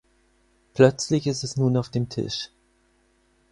Plötzlich ist es nun auf dem Tisch.